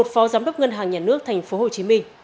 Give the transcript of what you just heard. một phó giám đốc ngân hàng nhà nước tp hcm